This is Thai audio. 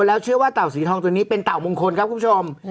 แล้วเชื่อว่าเต่าสีทองตัวนี้เป็นเต่ามงคลครับคุณผู้ชม